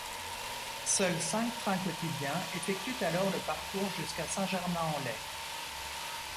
Seuls cinq trains quotidiens effectuent alors le parcours jusqu'à Saint-Germain-en-Laye.